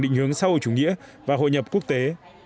định hướng sâu ở chủ nghĩa và hội nhập quốc tế